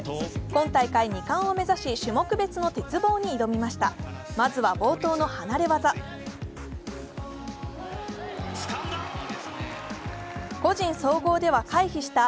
今大会２冠を目指し、種目別の鉄棒に挑みました。